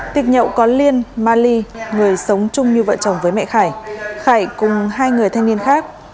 tiệc nhậu có liên ma ly người sống chung như vợ chồng với mẹ khải khải cùng hai người thanh niên khác